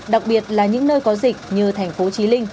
đặc biệt là những nơi có dịch như thành phố trí linh